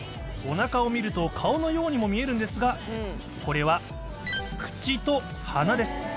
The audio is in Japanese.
おなかを見ると、顔のようにも見えるんですが、これは口と鼻です。